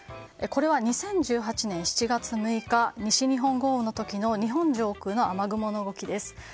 これは２０１８年７月６日西日本豪雨の時の日本上空の雨雲の動きです。